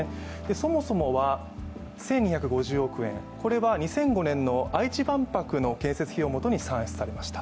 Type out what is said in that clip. そもそもは、１２５０億円は２００５年の愛知万博の建設費用をもとに計算されました。